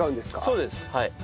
そうですはい。